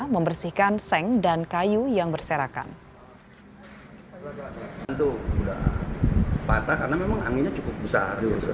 membersihkan seng dan kayu yang berserakan itu udah patah karena memang anginnya cukup besar